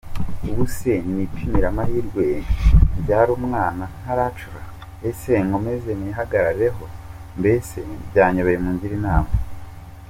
Ubuse nipimire amahirwe mbyare umwana ntaracura, ese nkomeze nihagarareho, mbese mbyanyobeye, mungire inama.